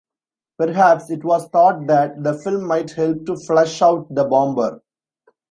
Perhaps it was thought that the film might help to "flush out" the bomber.